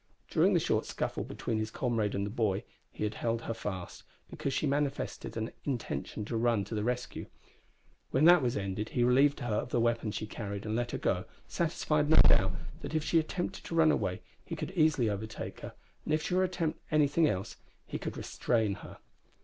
During the short scuffle between his comrade and the boy he had held her fast, because she manifested an intention to run to the rescue. When that was ended he relieved her of the weapons she carried and let her go, satisfied, no doubt that, if she attempted to run away, he could easily overtake her, and if she were to attempt anything else he could restrain her.